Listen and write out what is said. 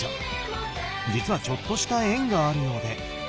実はちょっとした縁があるようで。